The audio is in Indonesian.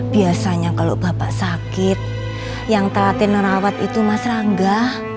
biasanya kalau bapak sakit yang telatin rawat itu mas rangga